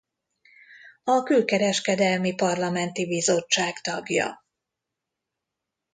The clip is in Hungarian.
A külkereskedelmi parlamenti bizottság tagja.